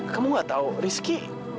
kamu gak tau rizky